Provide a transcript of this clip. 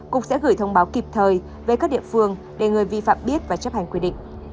cục sẽ gửi thông báo kịp thời về các địa phương để người vi phạm biết và chấp hành quy định